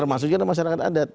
termasuk juga masyarakat adat